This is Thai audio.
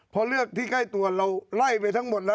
พอเลือกที่ใกล้ตัวเราไล่ไปทั้งหมดแล้ว